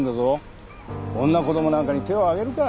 女子供なんかに手を上げるか！